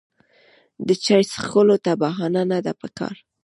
د چای څښلو ته بهانه نه ده پکار.